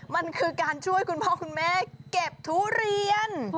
มันคือการช่วยคุณพ่อคุณแม่เก็บทุเรียน